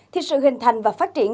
thì sự hình thành và phát triển